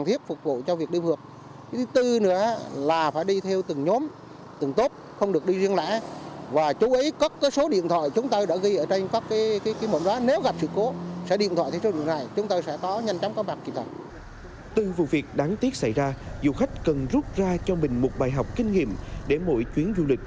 từ vụ việc đáng tiếc xảy ra du khách cần rút ra cho mình một bài học kinh nghiệm để mỗi chuyến du lịch